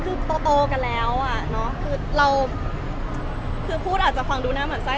คือโตกันแล้วคือพูดอาจจะฟังดูหน้าเหมือนไส้